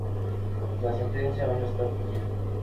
La sentencia aún está pendiente.